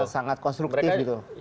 sangat konstruktif gitu